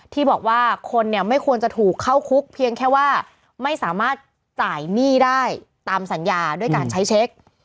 ที่บอกว่าคนเนี่ยไม่ควรจะถูกเข้าคุกเพียงแค่ว่าไม่สามารถจ่ายหนี้ได้ตามสัญญาด้วยการใช้เช็ค